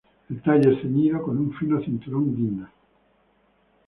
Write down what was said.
El talle es ceñido con un fino cinturón guinda.